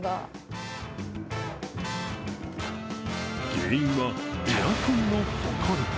原因はエアコンのほこり。